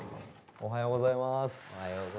おはようございます。